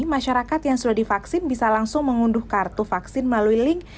masyarakat yang sudah divaksin bisa langsung mengunduh kartu vaksin melalui link